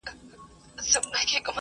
زلزله به یې په کور کي د دښمن سي.